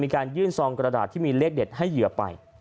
มีการยื่นซองกระดาษที่มีเลขเด็ดให้เหยื่อไป